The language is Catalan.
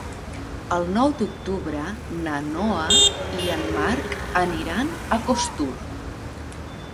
El nou d'octubre na Noa i en Marc aniran a Costur.